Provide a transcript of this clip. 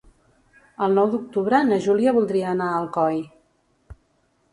El nou d'octubre na Júlia voldria anar a Alcoi.